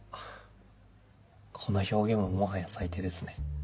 この表現ももはや最低ですね。